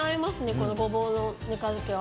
このゴボウのぬか漬けは。